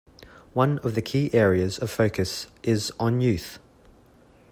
One of the key areas of focus is on youth.